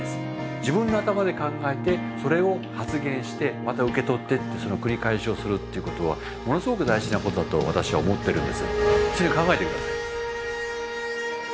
自分の頭で考えてそれを発言してまた受け取ってってその繰り返しをするっていうことはものすごく大事なことだと私は思ってるんです。